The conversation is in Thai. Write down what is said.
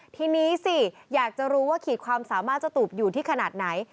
ทีนี้สิอยากจะรู้ว่าขีดความสามารถเจ้าตูบอยู่ที่ขนาดไหน